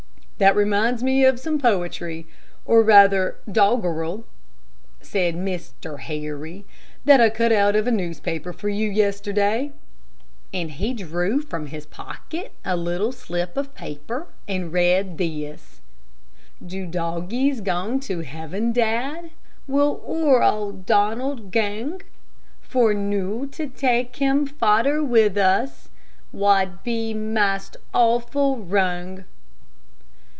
"That reminds me of some poetry, or rather doggerel," said Mr. Harry, "that I cutout of a newspaper for you yesterday;" and he drew from his pocket a little slip of paper, and read this: "Do doggies gang to heaven, Dad? Will oor auld Donald gang? For noo to tak' him, faither wi' us, Wad be maist awfu' wrang."